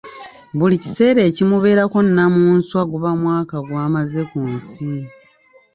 Buli kiseera ekimubeerako Nnamunswa guba mwaka gw'amaze ku nsi.